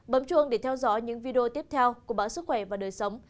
bấm chuông để theo dõi những video tiếp theo của báo sức khỏe và đời sống